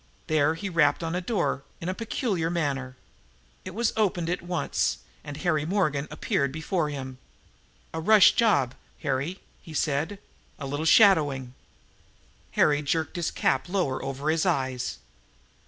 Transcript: There he rapped on a door in a peculiar manner. It was opened at once, and Harry Morgan appeared before him. "A rush job, Harry," he said. "A little shadowing." Harry jerked his cap lower over his eyes.